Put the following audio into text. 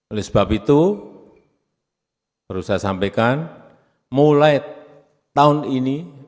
oleh sebab itu perlu saya sampaikan mulai tahun ini